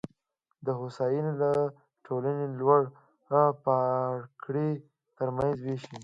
دا هوساینه د ټولنې لوړ پاړکي ترمنځ وېشي